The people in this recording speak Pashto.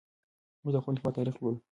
موږ د خپل هېواد تاریخ لولو.